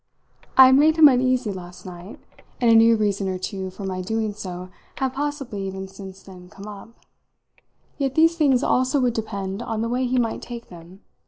I had made him uneasy last night, and a new reason or two for my doing so had possibly even since then come up; yet these things also would depend on the way he might take them.